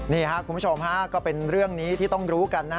นี่ค่ะคุณผู้ชมก็เป็นเรื่องนี้ที่ต้องรู้กัน